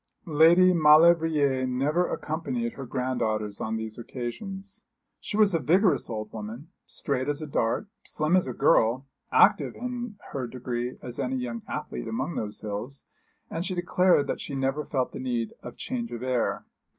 Lady Maulevrier never accompanied her granddaughters on these occasions. She was a vigorous old woman, straight as a dart, slim as a girl, active in her degree as any young athlete among those hills, and she declared that she never felt the need of change of air.